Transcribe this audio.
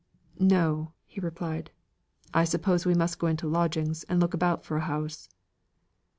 "No," he replied, "I suppose we must go into lodgings, and look about for a house."